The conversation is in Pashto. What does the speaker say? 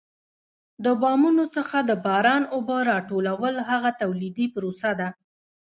د بامونو څخه د باران اوبه را ټولول هغه تولیدي پروسه ده.